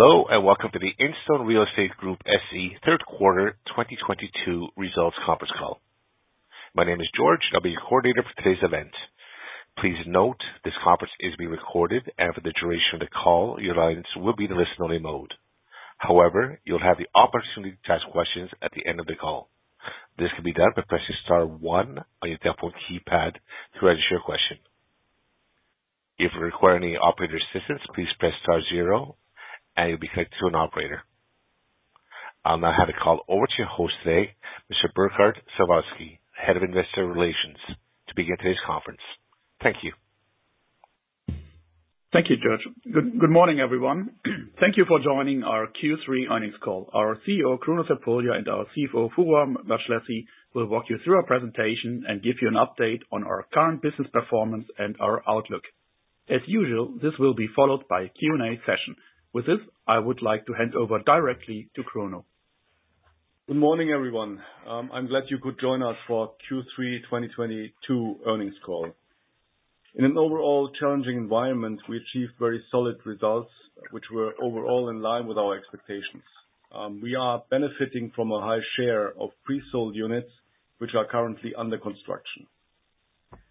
Hello, and welcome to the Instone Real Estate Group SE Third Quarter 2022 Results conference call. My name is George. I'll be your coordinator for today's event. Please note this conference is being recorded, and for the duration of the call, your lines will be in listen-only mode. However, you'll have the opportunity to ask questions at the end of the call. This can be done by pressing star one on your telephone keypad to register your question. If you require any operator assistance, please press star zero and you'll be connected to an operator. I'll now hand the call over to your host today, Mr. Burkhard Sawazki, Head of Investor Relations, to begin today's conference. Thank you. Thank you, George. Good morning, everyone. Thank you for joining our Q3 earnings call. Our CEO, Kruno Crepulja, and our CFO, Foruhar Madjlessi, will walk you through our presentation and give you an update on our current business performance and our outlook. As usual, this will be followed by a Q&A session. With this, I would like to hand over directly to Kruno. Good morning, everyone. I'm glad you could join us for Q3 2022 earnings call. In an overall challenging environment, we achieved very solid results which were overall in line with our expectations. We are benefiting from a high share of pre-sold units which are currently under construction.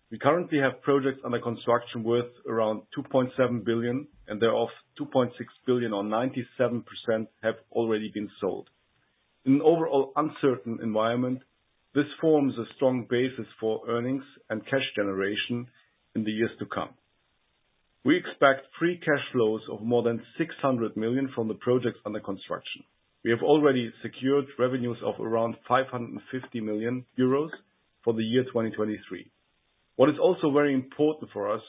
We currently have projects under construction worth around 2.7 billion, and thereof 2.6 billion, 97% have already been sold. In an overall uncertain environment, this forms a strong basis for earnings and cash generation in the years to come. We expect free cash flows of more than 600 million from the projects under construction. We have already secured revenues of around 550 million euros for the year 2023. What is also very important for us,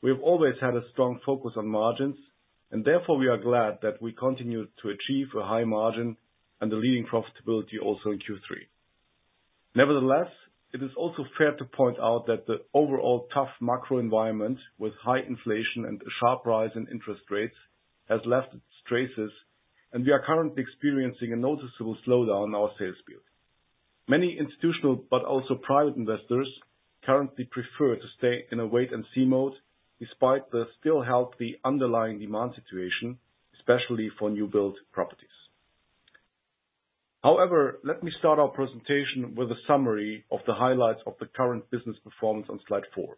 we have always had a strong focus on margins, and therefore we are glad that we continue to achieve a high margin and a leading profitability also in Q3. Nevertheless, it is also fair to point out that the overall tough macro environment with high inflation and a sharp rise in interest rates has left its traces, and we are currently experiencing a noticeable slowdown in our sales build. Many institutional, but also private investors currently prefer to stay in a wait-and-see mode despite the still healthy underlying demand situation, especially for new-build properties. However, let me start our presentation with a summary of the highlights of the current business performance onSlide 4.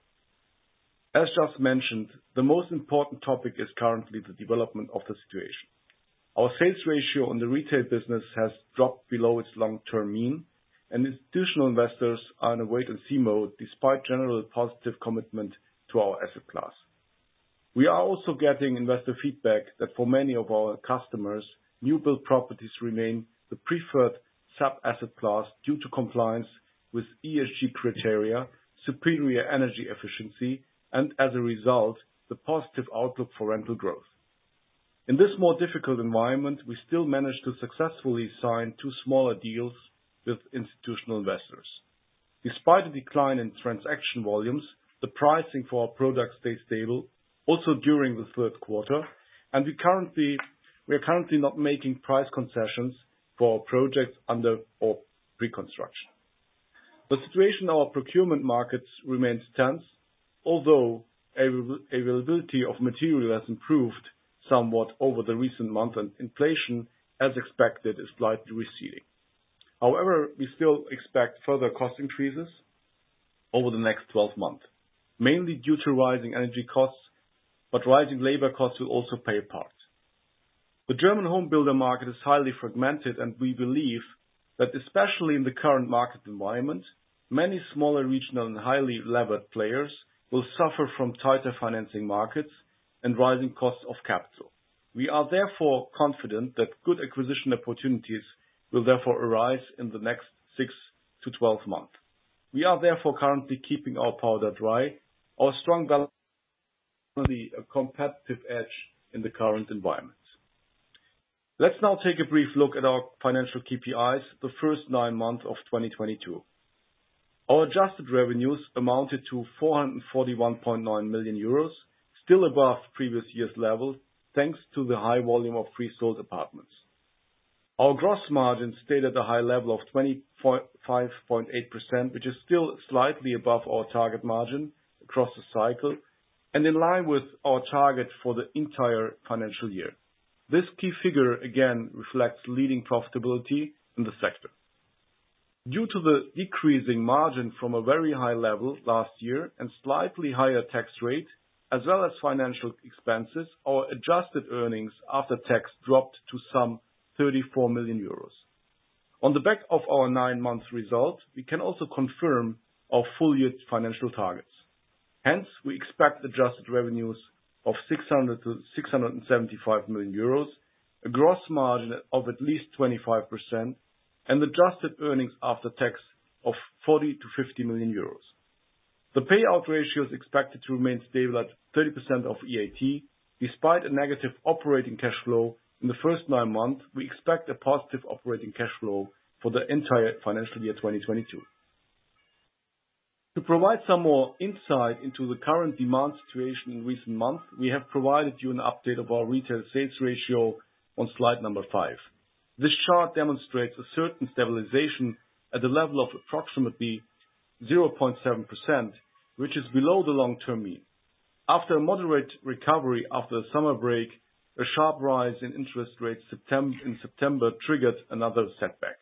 As just mentioned, the most important topic is currently the development of the situation. Our sales ratio on the retail business has dropped below its long-term mean, and institutional investors are in a wait-and-see mode despite general positive commitment to our asset class. We are also getting investor feedback that for many of our customers, new-build properties remain the preferred sub-asset class due to compliance with ESG criteria, superior energy efficiency and, as a result, the positive outlook for rental growth. In this more difficult environment, we still managed to successfully sign two smaller deals with institutional investors. Despite the decline in transaction volumes, the pricing for our products stayed stable also during the Third Quarter. We are currently not making price concessions for our projects under or pre-construction. The situation in our procurement markets remains tense, although availability of material has improved somewhat over the recent months, and inflation, as expected, is slightly receding. However, we still expect further cost increases over the next 12 months, mainly due to rising energy costs, but rising labor costs will also play a part. The German home-builder market is highly fragmented, and we believe that especially in the current market environment, many smaller regional and highly levered players will suffer from tighter financing markets and rising costs of capital. We are therefore confident that good acquisition opportunities will therefore arise in the next 6-12 months. We are therefore currently keeping our powder dry. Our strong balance sheet gives us a competitive edge in the current environment. Let's now take a brief look at our financial KPIs the first 9 months of 2022. Our Adjusted Revenues amounted to 441.9 million euros, still above previous year's level, thanks to the high volume of pre-sold apartments. Our gross margin stayed at a high level of 20.58%, which is still slightly above our target margin across the cycle and in line with our target for the entire financial year. This key figure again reflects leading profitability in the sector. Due to the decreasing margin from a very high level last year and slightly higher tax rate as well as financial expenses, our Adjusted Earnings After Tax dropped to some 34 million euros. On the back of our nine-month result, we can also confirm our full year's financial targets. Hence, we expect Adjusted Revenues of 600 million-675 million euros, a Gross Margin of at least 25% and Adjusted Earnings After Tax of 40 million-50 million euros. The payout ratio is expected to remain stable at 30% of EAT. Despite a negative operating cash flow in the first nine months, we expect a positive operating cash flow for the entire financial year 2022. To provide some more insight into the current demand situation in recent months, we have provided you an update of our retail sales ratio on Slide 5. This chart demonstrates a certain stabilization at the level of approximately 0.7%, which is below the long-term mean. After a moderate recovery after the summer break, a sharp rise in interest rates in September triggered another setback.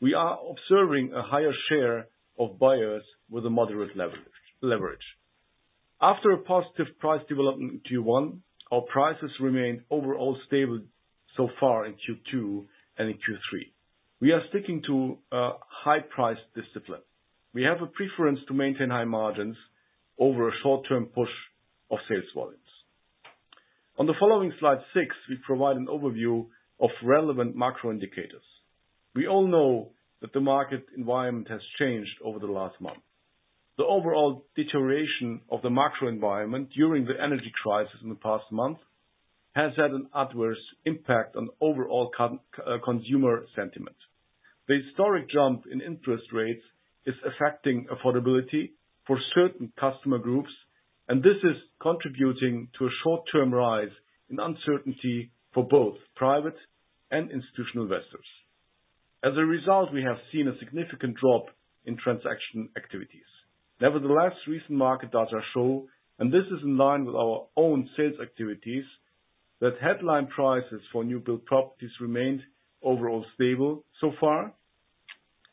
We are observing a higher share of buyers with a moderate leverage. After a positive price development in Q1, our prices remained overall stable so far in Q2 and in Q3. We are sticking to a high price discipline. We have a preference to maintain high margins over a short-term push of sales volumes. On the following Slide 6, we provide an overview of relevant macro indicators. We all know that the market environment has changed over the last month. The overall deterioration of the macro environment during the energy crisis in the past month has had an adverse impact on overall consumer sentiment. The historic jump in interest rates is affecting affordability for certain customer groups, and this is contributing to a short term rise in uncertainty for both private and institutional investors. As a result, we have seen a significant drop in transaction activities. Nevertheless, recent market data show, and this is in line with our own sales activities, that headline prices for new-build properties remained overall stable so far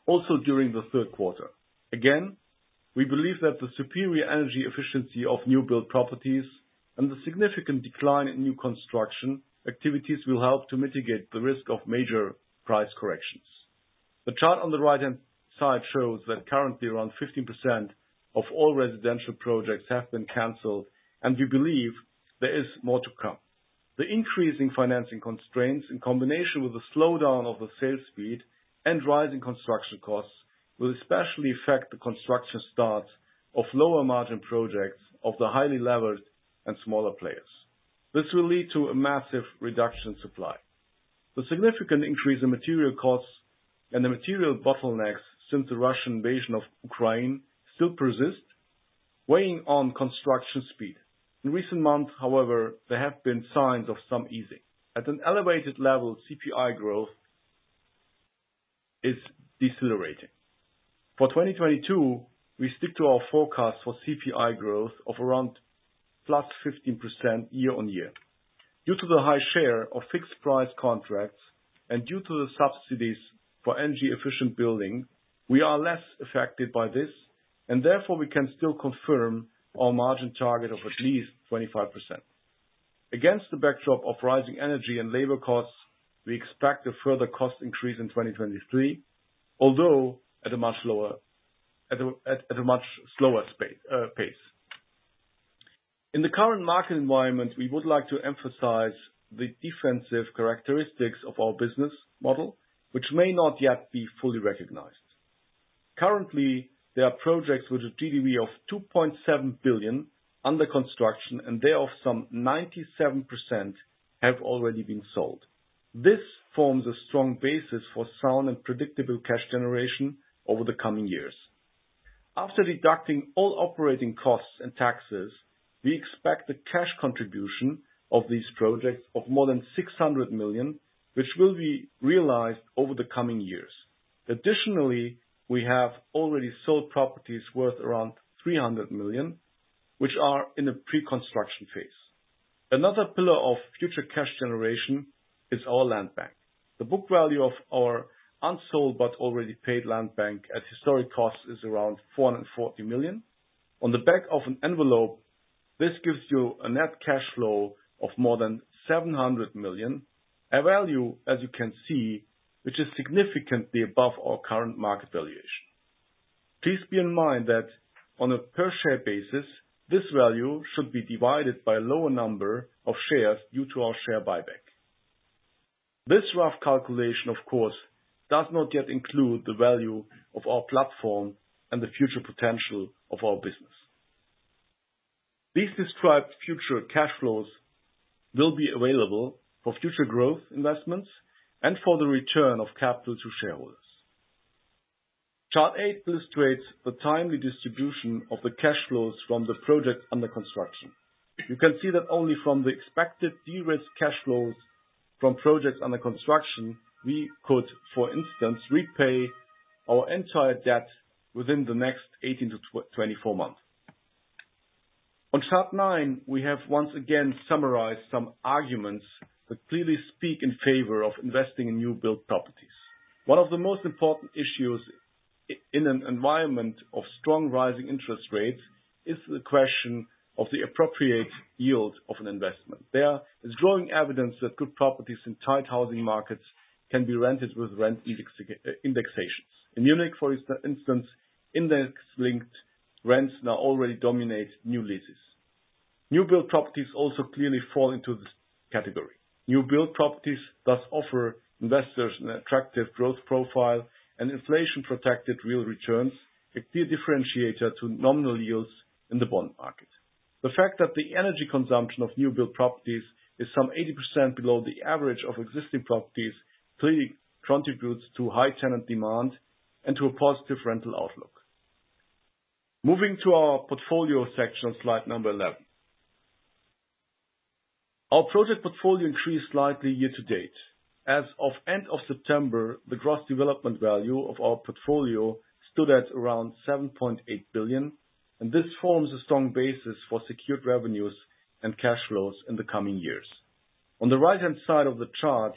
also during the Third Quarter. Again, we believe that the superior energy efficiency of new-build properties and the significant decline in new construction activities will help to mitigate the risk of major price corrections. The chart on the right-hand side shows that currently around 15% of all residential projects have been canceled, and we believe there is more to come. The increasing financing constraints in combination with the slowdown of the sales speed and rising construction costs will especially affect the construction start of lower margin projects of the highly levered and smaller players. This will lead to a massive reduction in supply. The significant increase in material costs and the material bottlenecks since the Russian invasion of Ukraine still persist, weighing on construction speed. In recent months, however, there have been signs of some easing. At an elevated level, CPI growth is decelerating. For 2022, we stick to our forecast for CPI growth of around +15% year-on-year. Due to the high share of fixed price contracts and due to the subsidies for energy efficient building, we are less affected by this and therefore we can still confirm our margin target of at least 25%. Against the backdrop of rising energy and labor costs, we expect a further cost increase in 2023, although at a much slower pace. In the current market environment, we would like to emphasize the defensive characteristics of our business model, which may not yet be fully recognized. Currently, there are projects with a GDV of 2.7 billion under construction and thereof some 97% have already been sold. This forms a strong basis for sound and predictable cash generation over the coming years. After deducting all operating costs and taxes, we expect the cash contribution of these projects of more than 600 million, which will be realized over the coming years. Additionally, we have already sold properties worth around 300 million, which are in a pre-construction phase. Another pillar of future cash generation is our land bank. The book value of our unsold but already paid land bank at historic cost is around 440 million. On the back of an envelope, this gives you a net cash flow of more than 700 million, a value as you can see which is significantly above our current market valuation. Please bear in mind that on a per share basis, this value should be divided by a lower number of shares due to our share buyback. This rough calculation, of course, does not yet include the value of our platform and the future potential of our business. These described future cash flows will be available for future growth investments and for the return of capital to shareholders. Chart 8 illustrates the timely distribution of the cash flows from the projects under construction. You can see that only from the expected de-risk cash flows from projects under construction, we could, for instance, repay our entire debt within the next 18-24 months. On Chart 9, we have once again summarized some arguments that clearly speak in favor of investing in new-build properties. One of the most important issues in an environment of strong rising interest rates is the question of the appropriate yield of an investment. There is growing evidence that good properties in tight housing markets can be rented with rent indexations. In Munich, for instance, index-linked rents now already dominate new leases. New-build properties also clearly fall into this category.new-build properties thus offer investors an attractive growth profile and inflation-protected real returns, a clear differentiator to nominal yields in the bond market. The fact that the energy consumption of new-build properties is some 80% below the average of existing properties clearly contributes to high tenant demand and to a positive rental outlook. Moving to our portfolio section on Slide 11. Our project portfolio increased slightly year to date. As of end of September, the Gross Development Value of our portfolio stood at around 7.8 billion, and this forms a strong basis for secured revenues and cash flows in the coming years. On the right-hand side of the chart,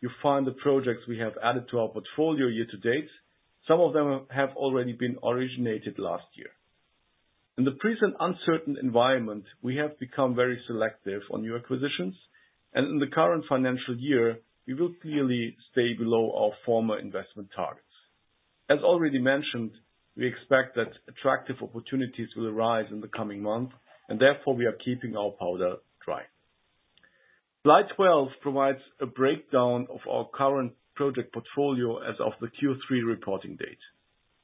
you find the projects we have added to our portfolio year to date. Some of them have already been originated last year. In the present uncertain environment, we have become very selective on new acquisitions, and in the current financial year, we will clearly stay below our former investment targets. As already mentioned, we expect that attractive opportunities will arise in the coming months, and therefore we are keeping our powder dry. Slide 12 provides a breakdown of our current project portfolio as of the Q3 reporting date.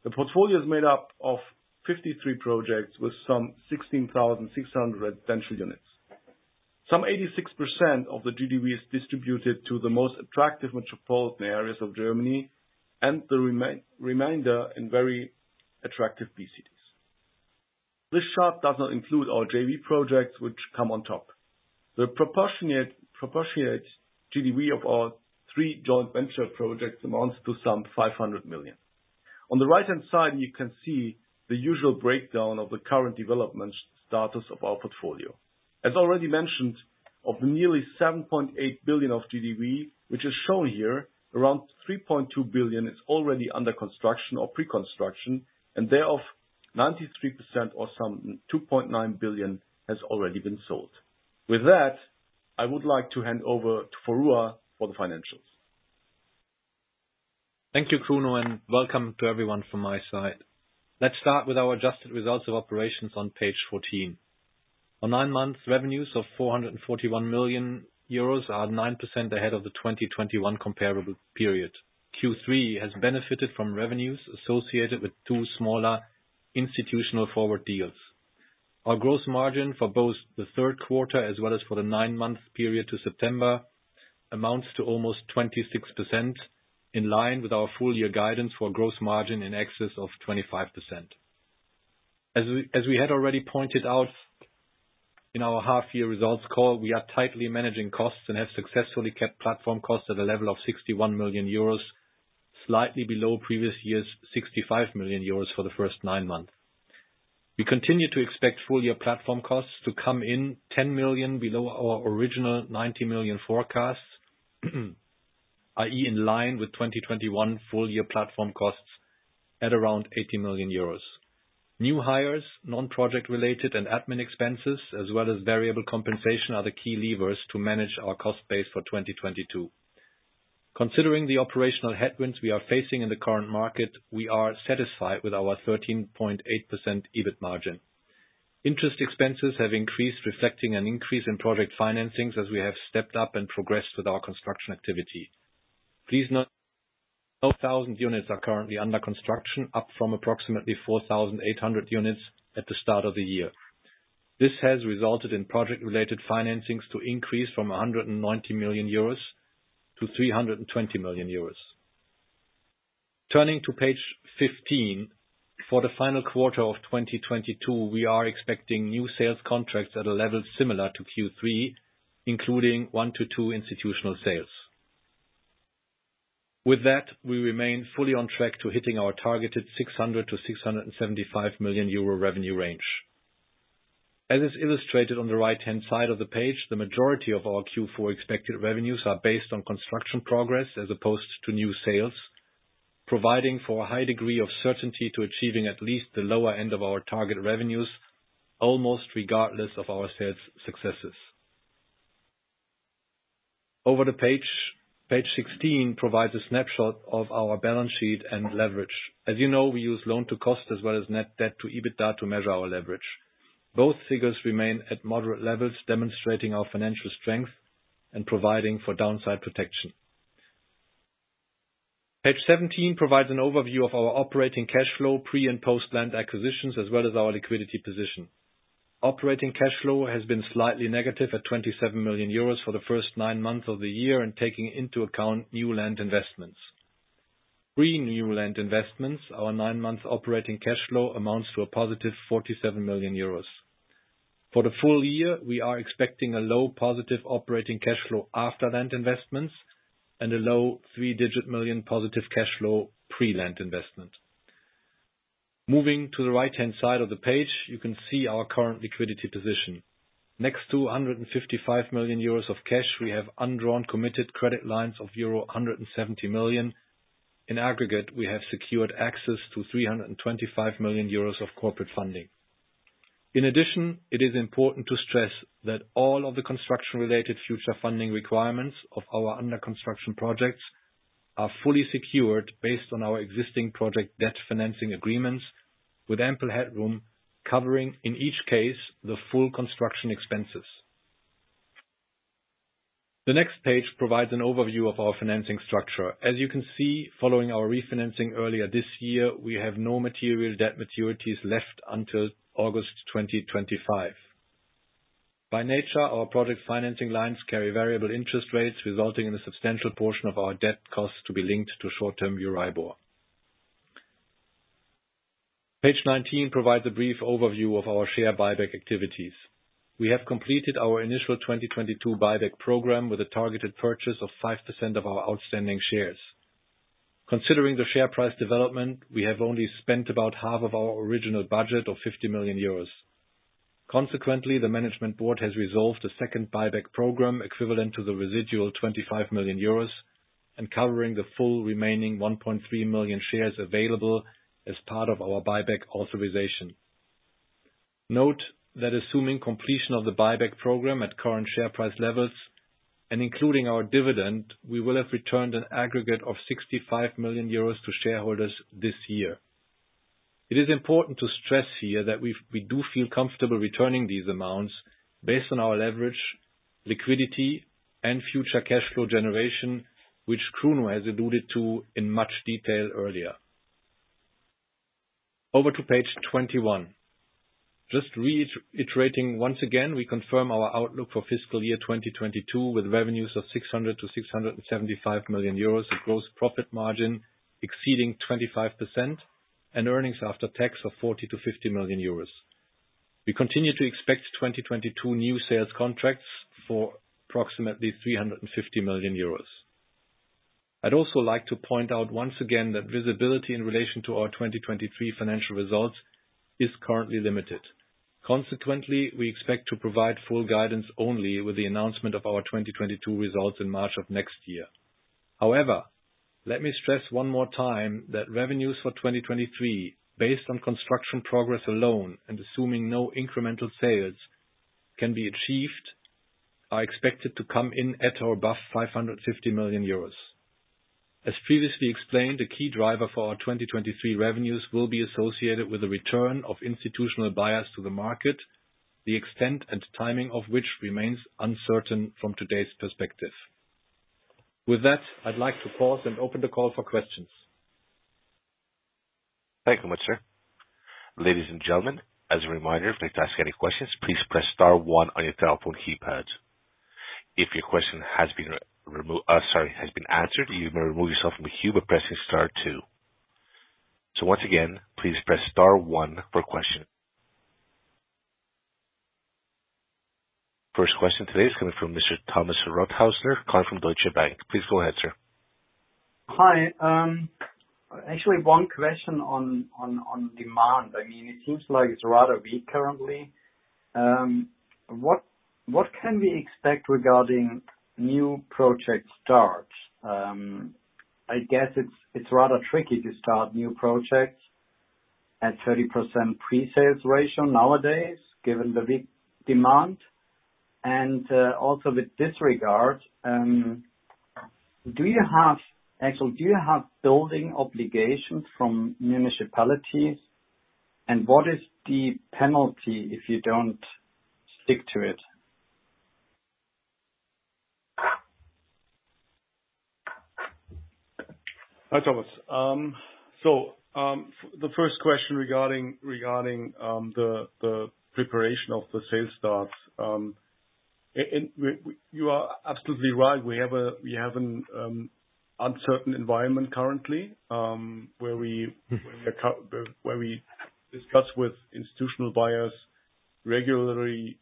The portfolio is made up of 53 projects with some 16,600 rental units. Some 86% of the GDV is distributed to the most attractive metropolitan areas of Germany and the remainder in very attractive B-cities. This chart does not include our JV projects which come on top. The proportionate GDV of our three joint venture projects amounts to some 500 million. On the right-hand side, you can see the usual breakdown of the current development status of our portfolio. As already mentioned, of the nearly 7.8 billion of GDV, which is shown here, around 3.2 billion is already under construction or pre-construction, and thereof, 93% or some 2.9 billion has already been sold. With that, I would like to hand over to Foruhar for the financials. Thank you, Kruno, and welcome to everyone from my side. Let's start with our adjusted results of operations on Page 14. On 9 months, revenues of 441 million euros are 9% ahead of the 2021 comparable period. Q3 has benefited from revenues associated with 2 smaller institutional forward deals. Our gross margin for both the Third Quarter as well as for the 9-month period to September amounts to almost 26%, in line with our full-year guidance for gross margin in excess of 25%. As we had already pointed out in our half-year results call, we are tightly managing costs and have successfully kept platform costs at a level of 61 million euros, slightly below previous year's 65 million euros for the first 9 months. We continue to expect full-year platform costs to come in 10 million below our original 90 million forecast, i.e., in line with 2021 full-year platform costs at around 80 million euros. New hires, non-project related and admin expenses, as well as variable compensation are the key levers to manage our cost base for 2022. Considering the operational headwinds we are facing in the current market, we are satisfied with our 13.8% EBIT margin. Interest expenses have increased, reflecting an increase in project financings as we have stepped up and progressed with our construction activity. Please note, 1,000 units are currently under construction, up from approximately 4,800 units at the start of the year. This has resulted in project-related financings to increase from 190 million euros to 320 million euros. Turning to Page 15, for the final quarter of 2022, we are expecting new sales contracts at a level similar to Q3, including 1-2 institutional sales. With that, we remain fully on track to hitting our targeted 600 million-675 million euro revenue range. As is illustrated on the right-hand side of the Page, the majority of our Q4 expected revenues are based on construction progress as opposed to new sales, providing for a high degree of certainty to achieving at least the lower end of our targeted revenues, almost regardless of our sales successes. Over the Page 16 provides a snapshot of our balance sheet and leverage. As you know, we use Loan-to-Cost as well as Net Debt/EBITDA to measure our leverage. Both figures remain at moderate levels, demonstrating our financial strength and providing for downside protection. Page 17 provides an overview of our operating cash flow pre- and post-land acquisitions, as well as our liquidity position. Operating cash flow has been slightly negative at 27 million euros for the first nine months of the year, and taking into account new land investments. Pre-new land investments, our nine-month operating cash flow amounts to a positive 47 million euros. For the full year, we are expecting a low positive operating cash flow after land investments and a low three-digit million positive cash flow pre-land investment. Moving to the right-hand side of the Page, you can see our current liquidity position. Next to 155 million euros of cash, we have undrawn committed credit lines of euro 170 million. In aggregate, we have secured access to 325 million euros of corporate funding. In addition, it is important to stress that all of the construction-related future funding requirements of our under-construction projects are fully secured based on our existing project debt financing agreements with ample headroom covering, in each case, the full construction expenses. The next Page provides an overview of our financing structure. As you can see, following our refinancing earlier this year, we have no material debt maturities left until August 2025. By nature, our project financing lines carry variable interest rates, resulting in a substantial portion of our debt costs to be linked to short-term EURIBOR. Page 19 provides a brief overview of our share buyback activities. We have completed our initial 2022 buyback program with a targeted purchase of 5% of our outstanding shares. Considering the share price development, we have only spent about half of our original budget of 50 million euros. Consequently, the management board has resolved a second buyback program equivalent to the residual 25 million euros and covering the full remaining 1.3 million shares available as part of our buyback authorization. Note that assuming completion of the buyback program at current share price levels and including our dividend, we will have returned an aggregate of 65 million euros to shareholders this year. It is important to stress here that we do feel comfortable returning these amounts based on our leverage, liquidity, and future cash flow generation, which Kruno has alluded to in much detail earlier. Over to Page 21. Just reiterating once again, we confirm our outlook for fiscal year 2022 with revenues of 600 million-675 million euros, a gross profit margin exceeding 25%, and earnings after tax of 40 million-50 million euros. We continue to expect 2022 new sales contracts for approximately 350 million euros. I'd also like to point out once again that visibility in relation to our 2023 financial results is currently limited. Consequently, we expect to provide full guidance only with the announcement of our 2022 results in March of next year. However, let me stress one more time that revenues for 2023, based on construction progress alone and assuming no incremental sales can be achieved, are expected to come in at or above 550 million euros. As previously explained, the key driver for our 2023 revenues will be associated with a return of institutional buyers to the market, the extent and timing of which remains uncertain from today's perspective. With that, I'd like to pause and open the call for questions. Thank you much, sir. Ladies and gentlemen, as a reminder, if you'd like to ask any questions, please press star one on your telephone keypads. If your question has been answered, you may remove yourself from the queue by pressing star two. Once again, please press star one for questions. First question today is coming from Mr. Thomas Rothäusler, calling from Deutsche Bank. Please go ahead, sir. Hi. Actually one question on demand. I mean, it seems like it's rather weak currently. What can we expect regarding new project starts? I guess it's rather tricky to start new projects at 30% pre-sales ratio nowadays given the weak demand. Also with this regard, do you have building obligations from municipalities, and what is the penalty if you don't stick to it? Hi, Thomas. The first question regarding the preparation of the sales starts. You are absolutely right. We have an uncertain environment currently, where we Mm-hmm. We discuss with institutional buyers regularly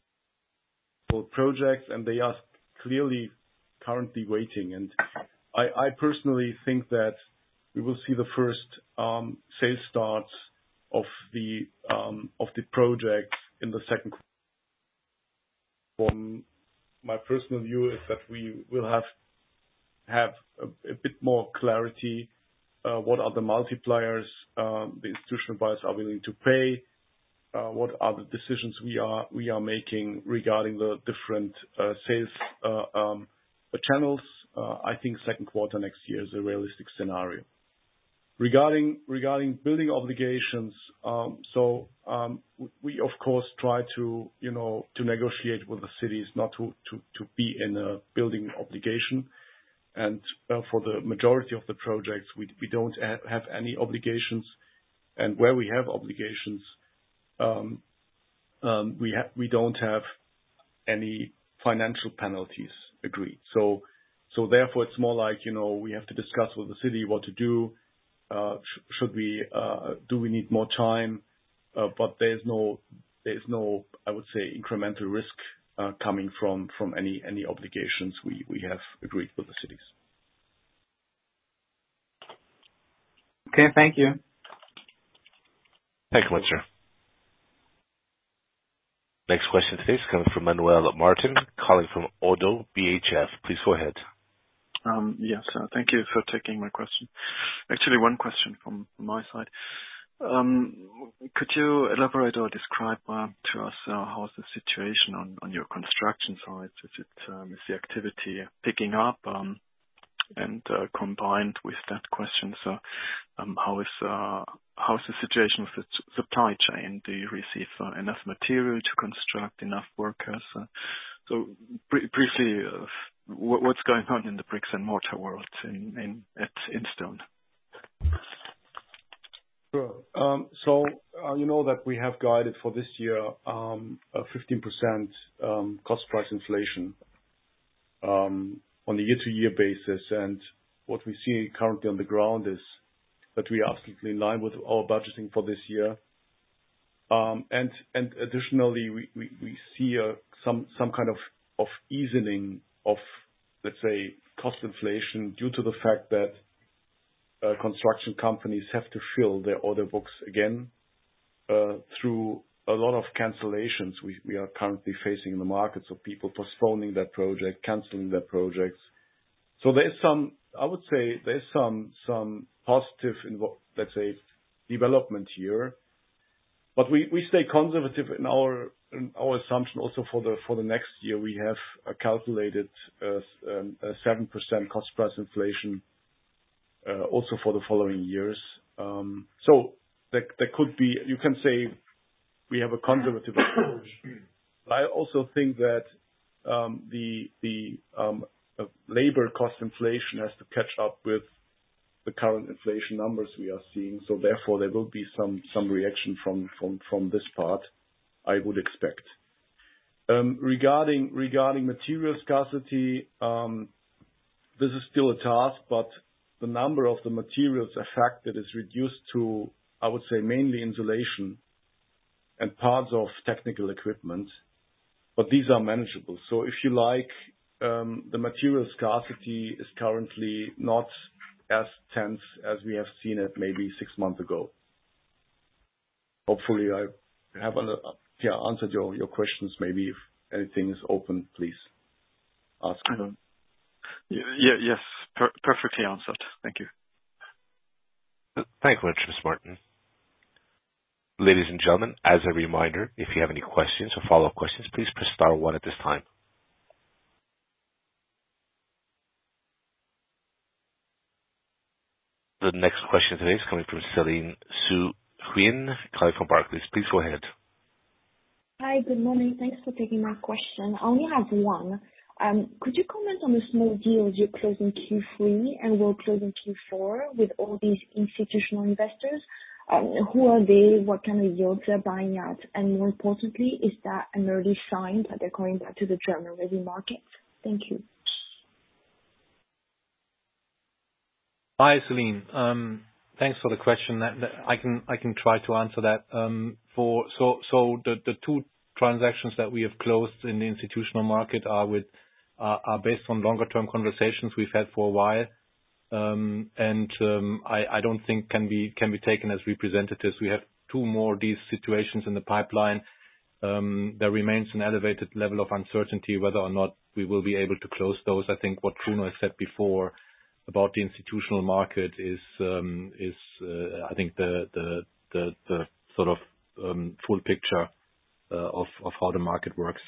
for projects, and they are clearly currently waiting. I personally think that we will see the first sales starts of the project in the second quarter. My personal view is that we will have a bit more clarity what are the multipliers the institutional buyers are willing to pay, what are the decisions we are making regarding the different sales channels. I think second quarter next year is a realistic scenario. Regarding building obligations, we of course try, you know, to negotiate with the cities not to be in a building obligation. For the majority of the projects, we don't have any obligations. Where we have obligations, we don't have any financial penalties agreed. Therefore it's more like, you know, we have to discuss with the city what to do. Do we need more time? There's no incremental risk, I would say, coming from any obligations we have agreed with the cities. Okay. Thank you. Thank you much, sir. Next question today is coming from Manuel Martin, calling from Oddo BHF. Please go ahead. Yes. Thank you for taking my question. Actually, one question from my side. Could you elaborate or describe to us how is the situation on your construction sites? Is the activity picking up? And combined with that question, how is the situation with the supply chain? Do you receive enough material to construct, enough workers? Briefly, what's going on in the bricks and mortar world at Instone? Sure. You know that we have guided for this year, a 15% cost price inflation. On a year-over-year basis and what we see currently on the ground is that we are strictly in line with our budgeting for this year. Additionally, we see some kind of easing of, let's say, cost inflation due to the fact that construction companies have to fill their order books again through a lot of cancellations we are currently facing in the market, so people postponing their project, canceling their projects. I would say there is some positive development here. But we stay conservative in our assumption also for the next year. We have calculated a 7% cost price inflation also for the following years. You can say we have a conservative approach. I also think that the labor cost inflation has to catch up with the current inflation numbers we are seeing, so therefore there will be some reaction from this part, I would expect. Regarding material scarcity, this is still a task, but the number of the materials affected is reduced to, I would say, mainly insulation and parts of technical equipment, but these are manageable. If you like, the material scarcity is currently not as tense as we have seen it maybe six months ago. Hopefully I have answered your questions. Maybe if anything is open, please ask them. Yes. Perfectly answered. Thank you. Thank you very much, Mr. Martin. Ladies and gentlemen, as a reminder, if you have any questions or follow-up questions, please press star one at this time. The next question today is coming from Celine Siu-Huynh, Barclays. Please go ahead. Hi. Good morning. Thanks for taking my question. I only have one. Could you comment on the small deals you closed in Q3 and will close in Q4 with all these institutional investors? Who are they? What kind of yields they're buying at? More importantly, is that an early sign that they're coming back to the German living market? Thank you. Hi, Celine. Thanks for the question. I can try to answer that. The two transactions that we have closed in the institutional market are based on longer-term conversations we've had for a while. I don't think can be taken as representatives. We have two more of these situations in the pipeline. There remains an elevated level of uncertainty whether or not we will be able to close those. I think what Kruno said before about the institutional market is I think the sort of full picture of how the market works.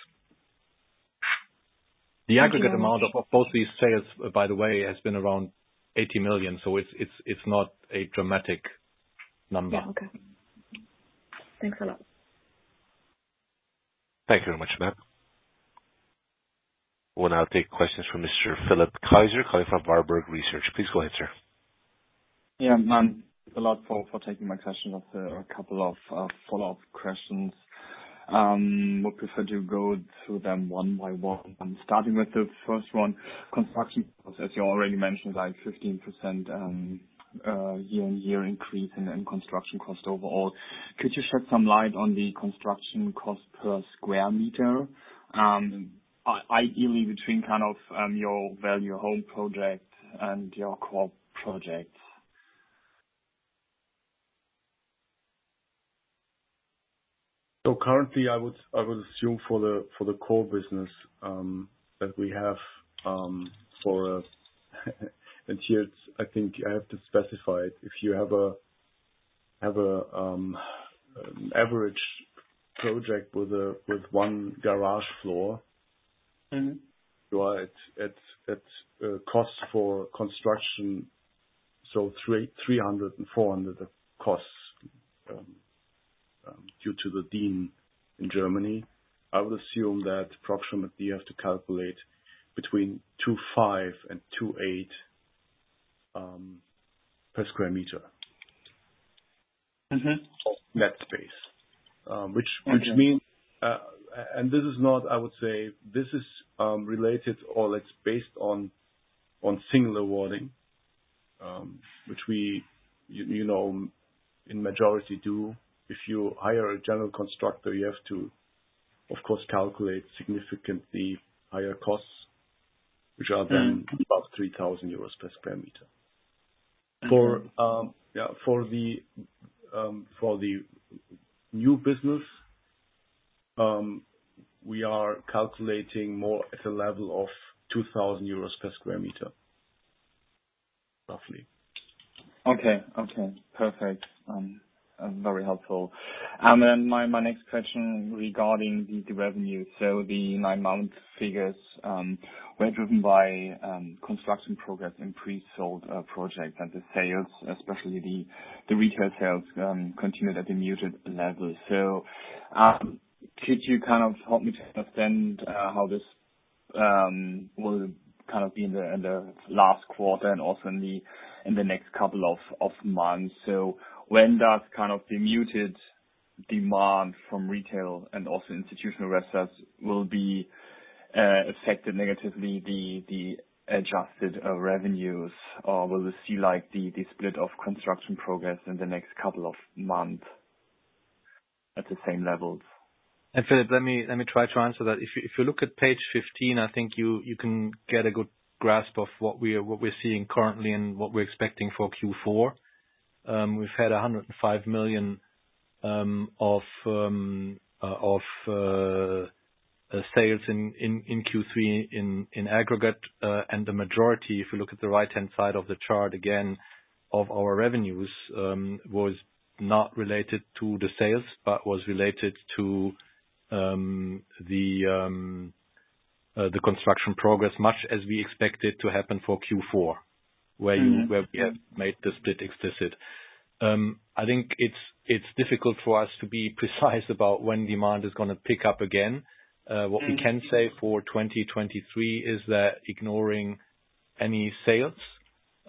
Thank you very much. The aggregate amount of both these sales, by the way, has been around 80 million, so it's not a dramatic number. Yeah, okay. Thanks a lot. Thank you very much for that. We'll now take questions from Mr. Philipp Kaiser, Warburg Research. Please go ahead, sir. Yeah, man. Thanks a lot for taking my question. I have a couple of follow-up questions. Would prefer to go through them one by one. Starting with the first one. Construction costs, as you already mentioned, like 15% year-on-year increase in construction cost overall. Could you shed some light on the construction cost per square meter? Ideally between kind of your Value Home project and your core projects. Currently I would assume for the core business that we have. Here it's I think I have to specify it. If you have an average project with one garage floor. Mm-hmm. Well, it's cost for construction, so 300 and 400 costs due to the DIN in Germany. I would assume that approximately you have to calculate between 2.5 and 2.8 per square meter. Mm-hmm. Of net space. Okay. Which means this is related or it's based on single awarding, which we, you know, in majority do. If you hire a general contractor, you have to of course calculate significantly higher costs, which are then about 3,000 euros per sq m. Okay. For the new business, we are calculating more at a level of 2000 euros per square meter, roughly. Okay. Perfect. Very helpful. My next question regarding the revenue. The nine-month figures were driven by construction progress and pre-sold projects and the sales, especially the retail sales, continued at a muted level. Could you kind of help me to understand how this will kind of be in the last quarter and also in the next couple of months? When does kind of the muted demand from retail and also institutional investors will be affected negatively the Adjusted Revenues? Or will we see like the split of construction progress in the next couple of months at the same levels? Philipp, let me try to answer that. If you look at Page 15, I think you can get a good grasp of what we're seeing currently and what we're expecting for Q4. We've had 105 million of sales in Q3 in aggregate. The majority, if you look at the right-hand side of the chart again, of our revenues was not related to the sales but was related to the construction progress much as we expected to happen for Q4, where you Mm-hmm. where we have made the split explicit. I think it's difficult for us to be precise about when demand is gonna pick up again. What we can say for 2023 is that ignoring any sales,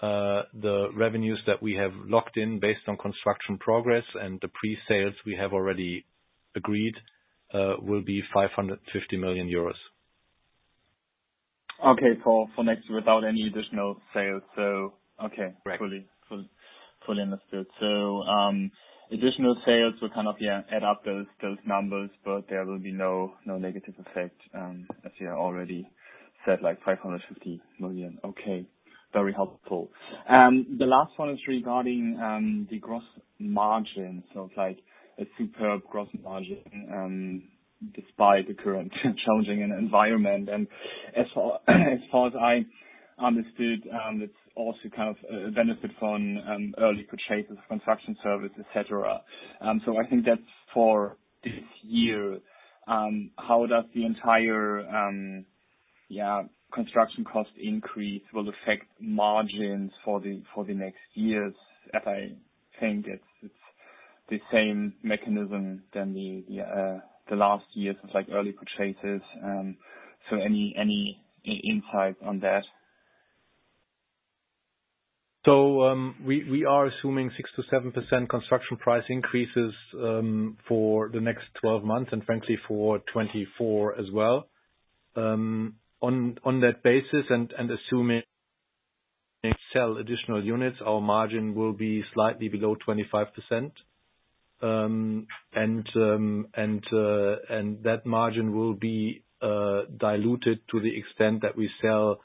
the revenues that we have locked in based on construction progress and the pre-sales we have already agreed, will be 550 million euros. Okay. For next year without any additional sales. Okay. Correct. Fully understood. Additional sales will kind of add up those numbers, but there will be no negative effect, as you have already said, like 550 million. Okay. Very helpful. The last one is regarding the gross margin. It's like a superb gross margin despite the current challenging environment. As far as I understood, it's also kind of a benefit from early purchases, construction service, et cetera. I think that's for this year. How does the entire construction cost increase will affect margins for the next years, as I think it's the same mechanism than the last years, it's like early purchases. Any insight on that? We are assuming 6%-7% construction price increases for the next 12 months and frankly for 24 as well. On that basis and assuming we sell additional units, our margin will be slightly below 25%. That margin will be diluted to the extent that we sell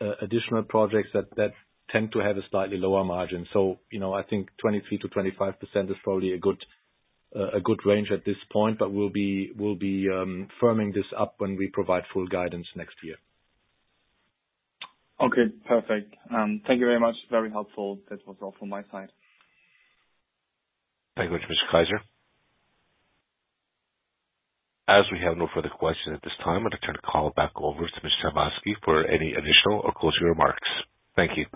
additional projects that tend to have a slightly lower margin. You know, I think 23%-25% is probably a good range at this point, but we'll be firming this up when we provide full guidance next year. Okay, perfect. Thank you very much. Very helpful. This was all from my side. Thank you, Mr. Kaiser. As we have no further questions at this time, I'd like to turn the call back over to Mr. Sawazki for any additional or closing remarks. Thank you.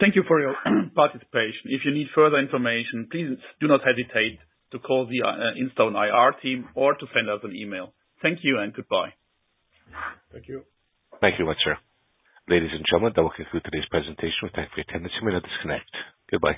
Thank you for your participation. If you need further information, please do not hesitate to call the Instone IR team or to send us an email. Thank you and goodbye. Thank you. Thank you much, sir. Ladies and gentlemen, that will conclude today's presentation. Thank you for your attendance. You may now disconnect. Goodbye.